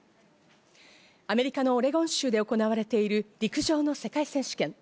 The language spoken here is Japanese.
アメリカのオレゴン州で行われている陸上の世界選手権。